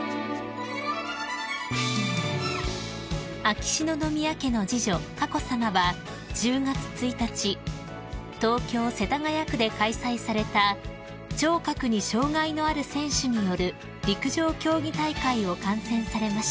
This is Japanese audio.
［秋篠宮家の次女佳子さまは１０月１日東京世田谷区で開催された聴覚に障害のある選手による陸上競技大会を観戦されました］